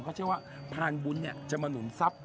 เขาเชื่อว่าพานบุญจะมาหนุนทรัพย